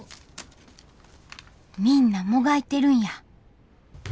みんなもがいてるんや。